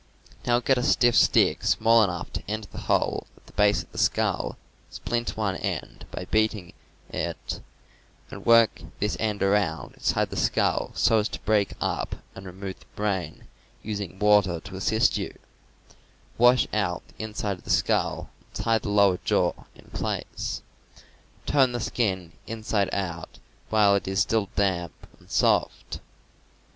Now get a stiff stick small enough to enter the hole in the base of the skull, splinter one end of it by beating it, and work this end around inside the skull so as to break up and TROPHIES, BUCKSKIN, RAWHIDE 279 remove the brain, using water to assist you; wash out the inside of the skull and tie the lower jaw in place; turn the skin inside out while it is still damp and soft.